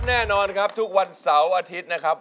แน่นอนครับทุกวันเสาร์อาทิตย์นะครับ